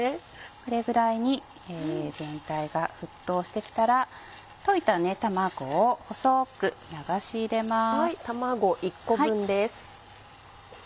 これぐらいに全体が沸騰してきたら溶いた卵を細く流し入れます。